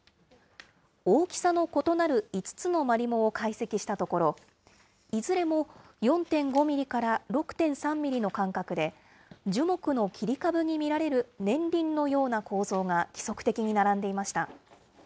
大きさの異なる５つのマリモを解析したところ、いずれも４．５ミリから６．３ミリの間隔で、樹木の切り株に見られる年輪のような構造が規則的に並んでいました。